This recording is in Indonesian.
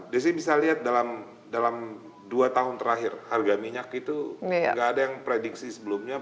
desi bisa lihat dalam dua tahun terakhir harga minyak itu nggak ada yang prediksi sebelumnya